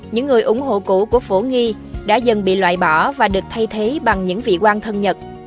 những người ủng hộ cũ của phổ nghi đã dần bị loại bỏ và được thay thế bằng những vị quan thân nhật